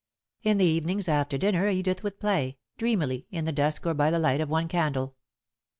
In the evenings, after dinner, Edith would play, dreamily, in the dusk or by the light of one candle.